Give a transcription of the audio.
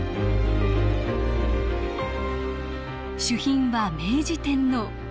主賓は明治天皇。